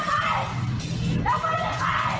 เราไม่มีใครอะ